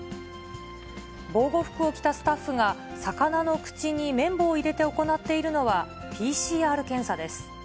防護服を着たスタッフが、魚の口に綿棒を入れて行っているのは、ＰＣＲ検査です。